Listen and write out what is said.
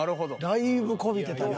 だいぶ媚びてたな。